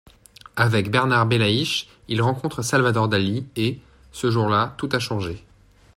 Avec Bernard Bellaïche il rencontre Salvador Dalí et, ce jour là tout a changé.